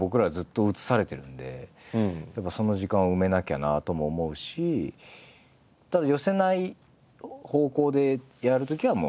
でもやっぱその時間を埋めなきゃなとも思うしただ寄せない方向でやるときはもう。